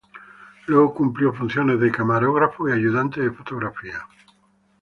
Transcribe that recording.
Luego cumplió funciones de camarógrafo y ayudante de fotografía.